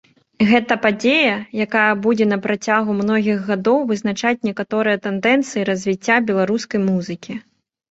Гэта падзея, якая будзе на працягу многіх гадоў вызначаць некаторыя тэндэнцыі развіцця беларускай музыкі.